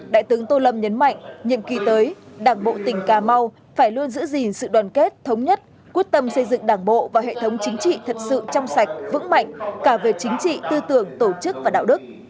đại tướng tô lâm nhấn mạnh nhiệm kỳ tới đảng bộ tỉnh cà mau phải luôn giữ gìn sự đoàn kết thống nhất quyết tâm xây dựng đảng bộ và hệ thống chính trị thật sự trong sạch vững mạnh cả về chính trị tư tưởng tổ chức và đạo đức